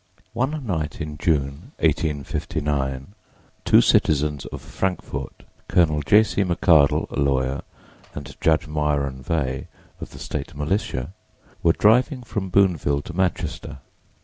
One night in June, 1859, two citizens of Frankfort, Col. J. C. McArdle, a lawyer, and Judge Myron Veigh, of the State Militia, were driving from Booneville to Manchester.